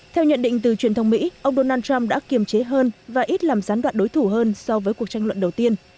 theo nhận định từ truyền thông mỹ ông donald trump đã kiềm chế hơn và ít làm gián đoạn đối thủ hơn so với cuộc tranh luận đầu tiên